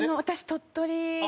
鳥取！